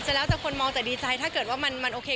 แล้วแต่คนมองแต่ดีใจถ้าเกิดว่ามันโอเค